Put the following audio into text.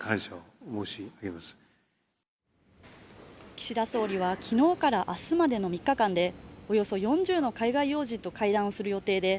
岸田総理は昨日から明日までの３日間でおよそ４０の海外要人と会談する予定です